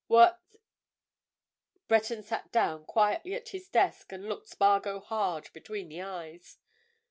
—what—— Breton sat down quietly at his desk and looked Spargo hard between the eyes.